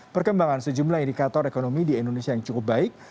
perkembangan sejumlah indikator ekonomi di indonesia yang cukup baik